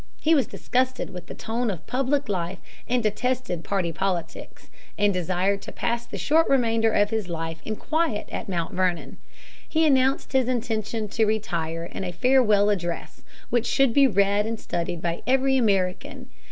He was disgusted with the tone of public life and detested party politics, and desired to pass the short remainder of his life in quiet at Mt. Vernon. He announced his intention to retire in a Farewell Address, which should be read and studied by every American.